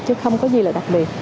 chứ không có gì là đặc biệt